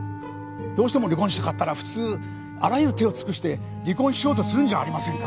どうしても離婚したかったら普通あらゆる手を尽くして離婚しようとするんじゃありませんか？